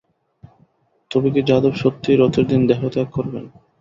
তবে কি যাদব সত্যিই রথের দিন দেহত্যাগ করবেন?